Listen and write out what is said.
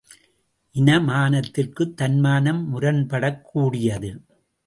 இனமானத்திற்குத் தன்மானம் முரண்படக்கூடியது!